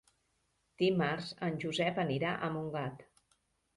Dimarts en Josep anirà a Montgat.